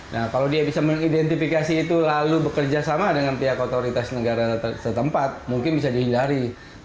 nah kalau dia bisa mengidentifikasi itu lalu bekerja sama dengan pihak otoritas negara setempat mungkin bisa dihindari